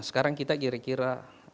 sekarang kita kira kira